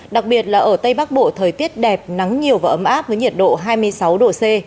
đặc biệt là ở tây bắc bộ thời tiết đẹp nắng nhiều và ấm áp với nhiệt độ hai mươi sáu độ c